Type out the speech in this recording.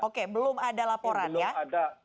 oke belum ada laporan ya